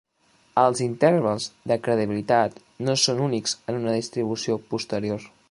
Els intervals de credibilitat no són únics en una distribució posterior.